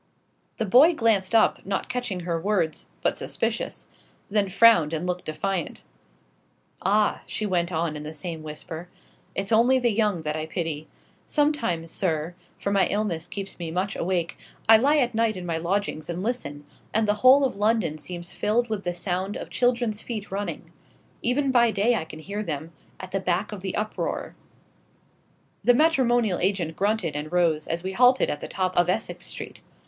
The boy glanced up, not catching her words, but suspicious: then frowned and looked defiant. "Ah," she went on in the same whisper, "it's only the young that I pity. Sometimes, sir for my illness keeps me much awake I lie at night in my lodgings and listen, and the whole of London seems filled with the sound of children's feet running. Even by day I can hear them, at the back of the uproar " The matrimonial agent grunted and rose, as we halted at the top of Essex Street.